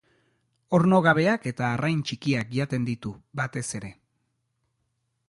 Ornogabeak eta arrain txikiak jaten ditu, batez ere.